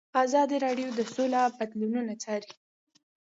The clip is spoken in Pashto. ازادي راډیو د سوله بدلونونه څارلي.